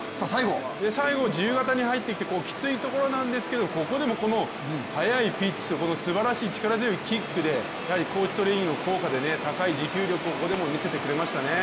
最後、自由形に入ってきてきついところなんですけどここでも速いピッチとすばらしい力強いキックで高地トレーニングの効果で高い持久力をここでもみせてくれましたね。